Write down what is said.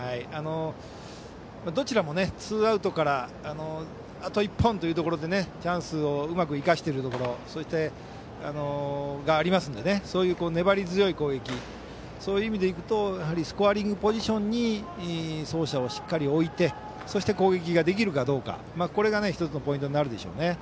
どちらもツーアウトからあと１本というところでチャンスをうまく生かしているところありますので粘り強い攻撃やはりスコアリングポジションに走者をしっかり置いてそして、攻撃ができるかどうかこれが１つのポイントになるでしょうね。